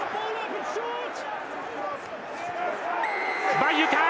バイユか！